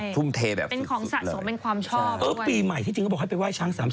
เขาทำขึ้นมาได้หลังสุด